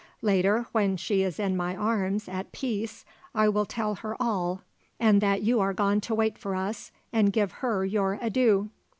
Later, when she is in my arms, at peace, I will tell her all and that you are gone to wait for us, and give her your adieu."